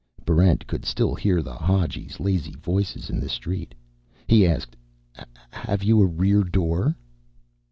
Barrent could still hear the Hadjis' lazy voices in the street. He asked, "Have you a rear door?"